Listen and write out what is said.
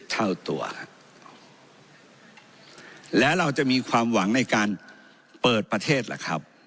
เท่าตัวและเราจะมีความหวังในการเปิดประเทศล่ะครับ